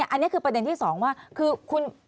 อันนี้คือประเด็นที่๒ว่าคือคุณ